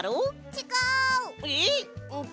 ちがうの？